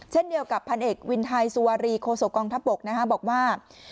เช่นเดียวกับพันเอกวินไทยสุวารีโคศกองทัพบกบอกว่า